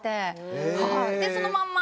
そのまんま。